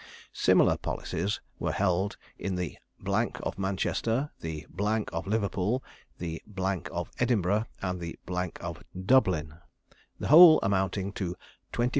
Similar policies were held in the of Manchester, the of Liverpool, the of Edinburgh, and the of Dublin, the whole amounting to 25,000_l_.